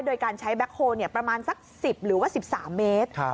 โดยการใช้แบ็คโฮลประมาณสัก๑๐หรือว่า๑๓เมตร